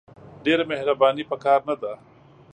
ډېره مهرباني په کار نه ده !